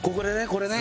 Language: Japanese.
これね。